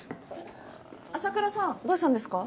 麻倉さんどうしたんですか？